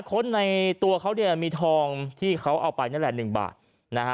คนในตัวเขาเนี่ยมีทองที่เขาเอาไปนั่นแหละ๑บาทนะฮะ